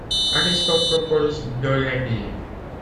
Aristote propose de l'aider.